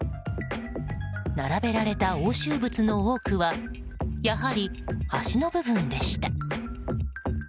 並べられた押収物の多くはやはり端の部分でした。